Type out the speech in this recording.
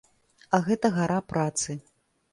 А гэта гара працы.